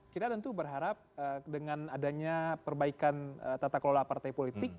kita tentu berharap dengan adanya perbaikan tata kelola partai politik